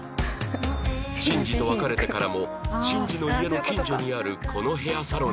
慎二と別れてからも慎二の家の近所にあるこのヘアサロンに通っていた